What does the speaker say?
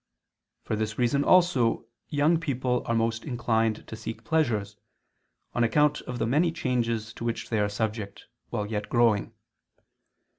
For this reason also young people are most inclined to seek pleasures; on account of the many changes to which they are subject, while yet growing.